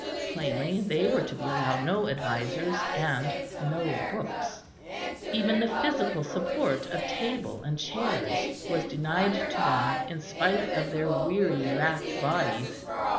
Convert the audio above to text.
Plainly they were to be allowed no advisers and no books; even the physical support of table and chairs was denied to them in spite of their weary racked bodies.